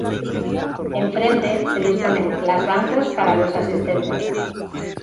Enfrente se disponen las bancos para los asistentes.